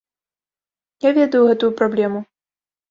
Я ведаю гэтую праблему.